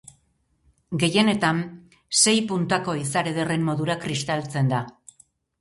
Gehienetan sei puntako izar ederren modura kristaltzen da.